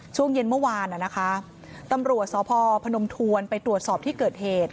ช่วงเย็นเมื่อวานนะคะตำรวจสพพนมทวนไปตรวจสอบที่เกิดเหตุ